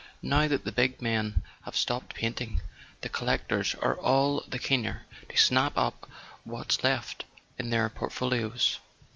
Now that the big men have stopped painting, the collectors are all the keener to snap up what's left in their portfolios."